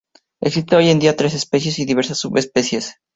Existen hoy en día tres especies y diversas subespecies.